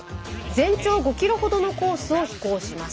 全長５ｋｍほどのコースを飛行します。